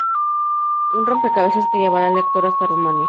Un rompecabezas que llevará al lector hasta Rumanía.